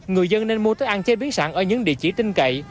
người dân nên mua thức ăn chế biến sẵn ở những địa chỉ tin cậy